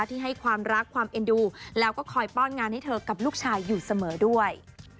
ที่ให้ความรักความเอ็นดูแล้วก็คอยป้อนงานให้เธอกับลูกชายอยู่เสมอด้วย